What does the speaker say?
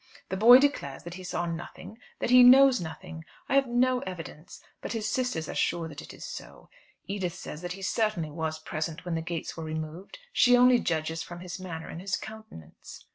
The boy declares that he saw nothing; that he knows nothing. I have no evidence; but his sisters are sure that it is so. Edith says that he certainly was present when the gates were removed. She only judges from his manner and his countenance."